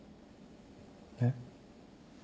えっ。